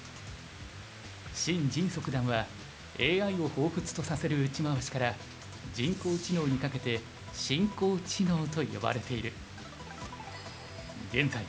シン・ジンソ九段はＡＩをほうふつとさせる打ち回しから「人工知能」にかけて「申工知能」と呼ばれている。